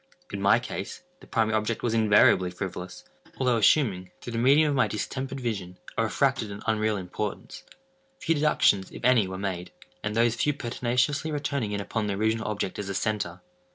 In my case, the primary object was invariably frivolous, although assuming, through the medium of my distempered vision, a refracted and unreal importance. Few deductions, if any, were made; and those few pertinaciously returning in upon the original object as a centre.